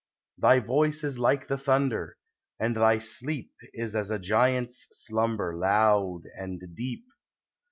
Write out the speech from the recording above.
Thy voice is like the thunder, and thy sleep Is as a giant's slumber, loud and deep.